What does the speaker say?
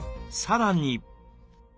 さらに。